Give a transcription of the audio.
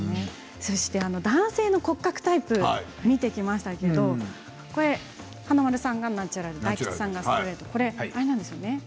そして男性の骨格タイプを見ていきましたけれども華丸さんはナチュラル大吉さんはストレート。